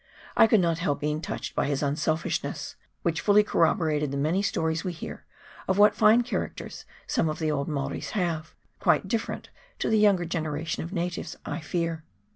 I could not help being touched by his unselfishness, which fully corroborated the many stories we hear of what fine characters some of the old Maoris have — quite different to the younger generation of natives, I fear.